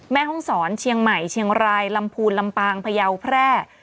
แม่ห้องศรเชียงใหม่เชียงรายลำพูนลำปางพยาวแพร่